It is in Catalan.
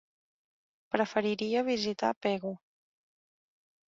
Preferiria visitar Pego.